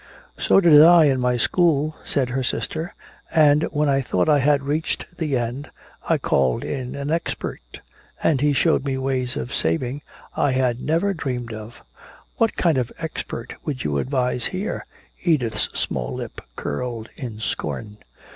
"So did I, in my school," said her sister. "And when I thought I had reached the end, I called in an expert. And he showed me ways of saving I had never dreamed of." "What kind of expert would you advise here?" Edith's small lip curled in scorn.